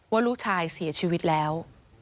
ว่าลูกชายเสียชีวิตแล้ว